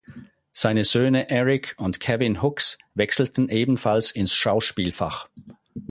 Seine Söhne Eric und Kevin Hooks wechselten ebenfalls ins Schauspielfach.